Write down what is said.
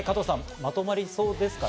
まとまりそうですかね？